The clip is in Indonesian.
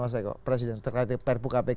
mas eko presiden terkait perpu kpk